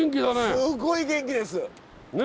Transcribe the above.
すごい元気です。ね！